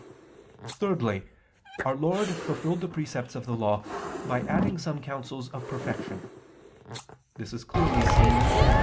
Thirdly, Our Lord fulfilled the precepts of the Law, by adding some counsels of perfection: this is clearly seen in Matt.